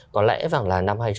có lẽ rằng là năm hai nghìn hai mươi